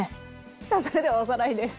さあそれではおさらいです。